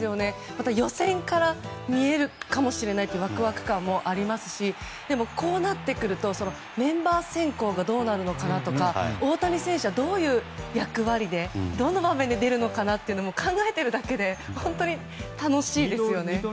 また予選から見れるかもしれないというワクワク感もありますしでもこうなってくるとメンバー選考がどうなるのかなとか大谷選手は、どういう役割でどの場面で出るのかなっていうのも考えているだけで本当に楽しいですよね。